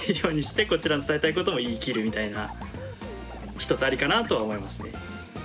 一つありかなとは思いますね。